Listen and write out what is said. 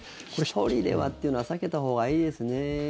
１人ではっていうのは避けたほうがいいですね。